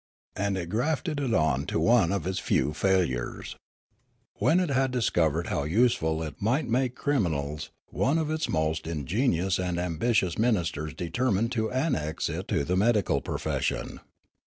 And it grafted it on to one of its few failures. When it had discovered how useful it might make criminals, one of its most ingenious and ambitious ministers determined to annex it to the medical profes sion.